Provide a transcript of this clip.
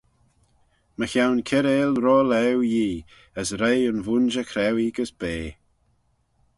Mychione kiarail ro-laue Yee, as reih yn vooinjer crauee gys bea.